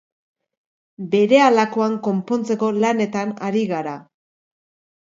Berehalakoan konpontzeko lanetan ari gara.